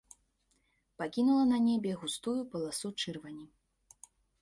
Пакінула на небе густую паласу чырвані.